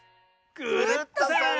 クルットさん！